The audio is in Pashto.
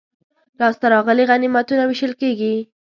لاسته راغلي غنیمتونه وېشل کیږي.